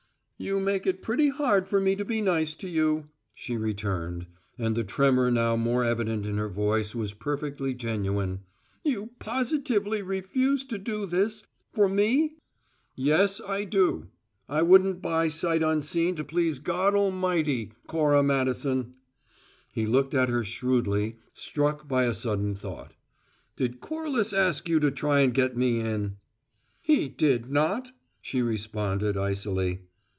"You make it pretty hard for me to be nice to you," she returned, and the tremor now more evident in her voice was perfectly genuine. "You positively refuse to do this for me?" "Yes I do. I wouldn't buy sight unseen to please God 'lmighty, Cora Madison." He looked at her shrewdly, struck by a sudden thought. "Did Corliss ask you to try and get me in?" "He did not," she responded, icily.